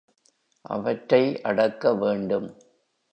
அவற்றை அடக்க வேண்டும்.